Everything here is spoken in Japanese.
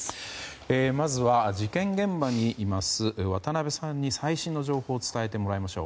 まずは、事件現場にいます渡辺さんに最新の情報を伝えてもらいましょう。